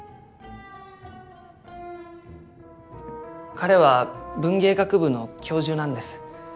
彼は文芸学部の教授なんです。